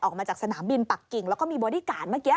ออกมาจากสนามบินปักกิ่งแล้วก็มีบอดี้การ์ดเมื่อกี้